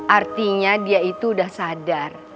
artinya dia itu udah sadar